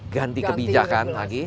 ganti kebijakan lagi